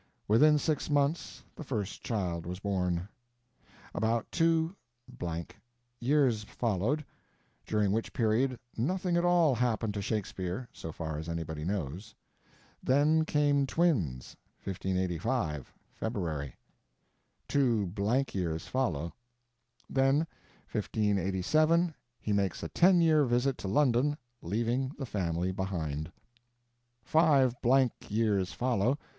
Within six months the first child was born. About two (blank) years followed, during which period nothing at all happened to Shakespeare, so far as anybody knows. Then came twins—1585. February. Two blank years follow. Then—1587—he makes a ten year visit to London, leaving the family behind. Five blank years follow.